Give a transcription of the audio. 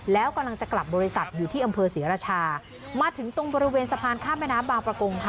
แล้วกำลังจะกลับบริษัทอยู่ที่อำเภอศรีราชามาถึงตรงบริเวณสะพานข้ามแม่น้ำบางประกงค่ะ